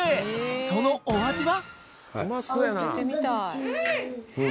そのお味は？